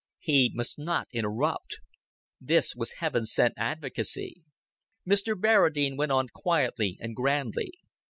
He must not interrupt. This was Heaven sent advocacy. Mr. Barradine went on quietly and grandly.